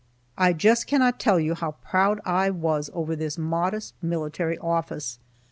I just cannot tell you how proud I was over this modest military office.